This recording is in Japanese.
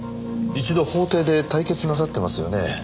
一度法廷で対決なさってますよね？